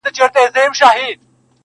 نه محتاجه د بادار نه د انسان یو -